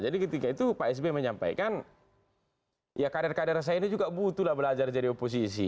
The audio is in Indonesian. jadi ketika itu pak s b menyampaikan ya karir karir saya ini juga butuhlah belajar jadi oposisi